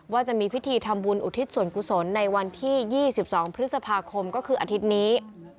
จะมีพิธีทำบุญอุทิศส่วนกุศลในวันที่๒๒พฤษภาคมก็คืออาทิตย์นี้